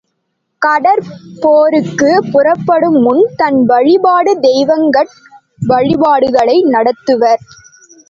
கடற் போருக்குப், புறப்படுமுன் தன் வழிபடு தெய்வங்கட்கு வழிபாடுகளை நடத்துவர்.